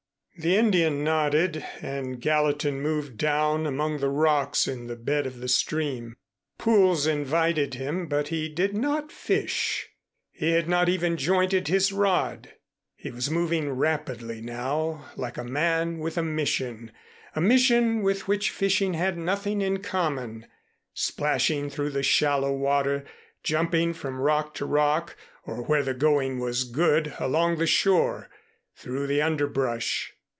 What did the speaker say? The Indian nodded and Gallatin moved down among the rocks in the bed of the stream. Pools invited him, but he did not fish. He had not even jointed his rod. He was moving rapidly now, like a man with a mission, a mission with which fishing had nothing in common, splashing through the shallow water, jumping from rock to rock, or where the going was good along the shore, through the underbrush.